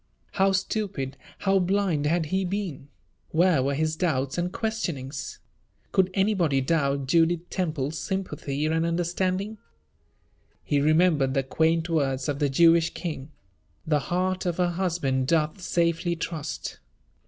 How stupid, how blind had he been! Where were his doubts and questionings? Could anybody doubt Judith Temple's sympathy and understanding? He remembered the quaint words of the Jewish king, "The heart of her husband doth safely trust."